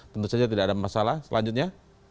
tentu saja tidak ada masalah selanjutnya